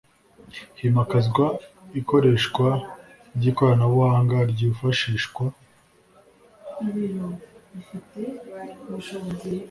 himakazwa ikoreshwa ry ikoranabuhanga ryifashishwa